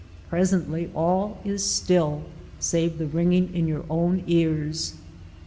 Presently all is still, save the ring ing in your own ears.